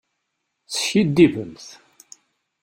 Teskiddibemt.